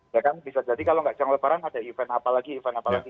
ya kan bisa jadi kalau nggak jarang lebaran ada event apa lagi event apa lagi